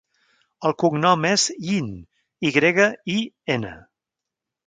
El cognom és Yin: i grega, i, ena.